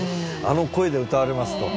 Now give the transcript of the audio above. あの声で歌われますと。